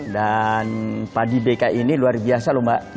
dan padi bk ini luar biasa loh mbak